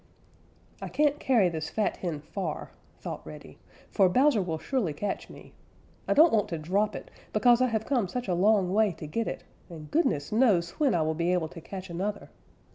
"I can't carry this fat hen far," thought Reddy, "for Bowser will surely catch me. I don't want to drop it, because I have come such a long way to get it, and goodness knows when I will be able to catch another.